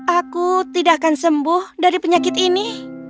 aku tidak akan sembuh dari penyakit ini